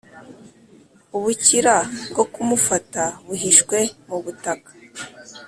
ubukira bwo kumufata buhishwe mu butaka,